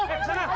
eh sana tunggu